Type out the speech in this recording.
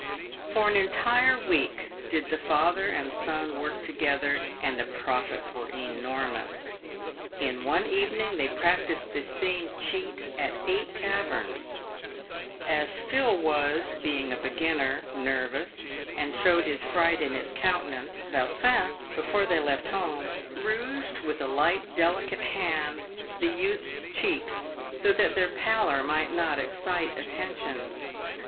For an entire week did the father and son work together, and the profits were enormous. In one evening they practised this same cheat at eight taverns. As Phil was, being a beginner, nervous, and showed his fright in his countenance, Vautrin, before they left home, rouged with a light delicate hand the youth's cheeks, so that their pallor might not excite attention.